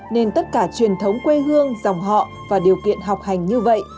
nên tất cả truyền thống quê hương dòng họ và điều kiện học hành như vậy